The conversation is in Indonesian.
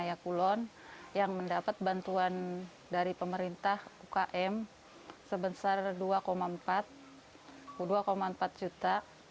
ya kulon yang mendapat bantuan dari pemerintah ukm sebesar dua empat juta